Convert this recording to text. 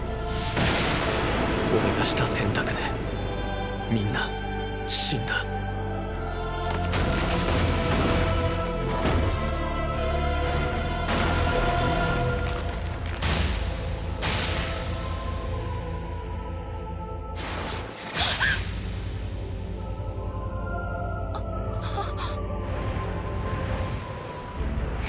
オレがした選択でみんな死んだああぁ！